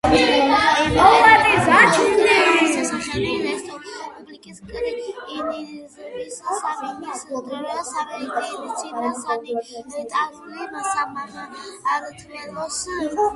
იმ პერიოდში იყო უკრაინის სახალხო რესპუბლიკის რკინიგზის სამინისტროს სამედიცინო-სანიტარული სამმართველოს უფროსი.